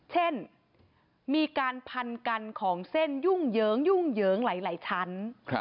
เช่นมีการพันกันของเซนยุ่งเยิ้งหลายชั้น